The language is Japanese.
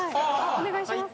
お願いします。